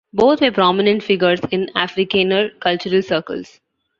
Both were prominent figures in Afrikaner cultural circles.